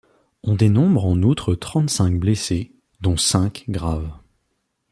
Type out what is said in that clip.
On dénombre en outre trente-cinq blessés dont cinq graves.